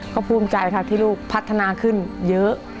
ก็ภูมิใจค่ะที่ลูกพัฒนาขึ้นเยอะ